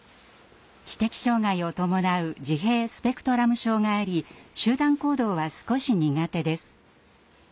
知的障害を伴う自閉スペクトラム症があり集団行動は少し苦手です。